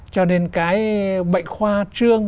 cho nên cái bệnh khoa trương